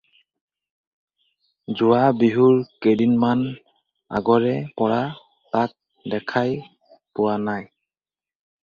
যোৱা বিহুৰ কেইদিনমান আগৰে পৰা তাক দেখাই পোৱা নাই।